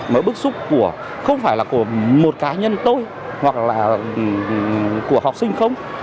mỗi bức xúc của không phải là của một cá nhân tôi hoặc là của học sinh không